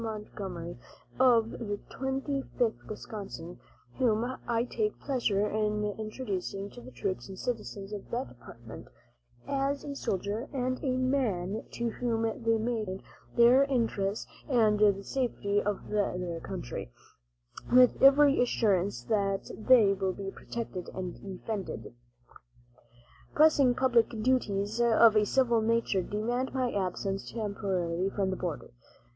Montgomery of the Twenty fifth Wisconsin, whom I take pleasure in introducing to the troops and citizens of that department as a soldier and a man to whom they may confide their interests and the safety of their country, with every assurance that they will be protected and defended. "Pressing public duties of a civil nature demand my absence temporarily from the border.